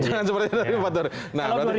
jangan seperti dua ribu empat dua ribu sembilan